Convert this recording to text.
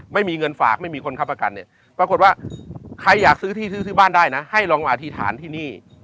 ไม่มีเงินฝากไม่มีคนค้ำประกันเนี่ยปรากฏว่าใครอยากซื้อที่ซื้อซื้อบ้านได้นะให้ลองมาอธิษฐานที่นี่